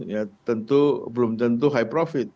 ya tentu belum tentu high profit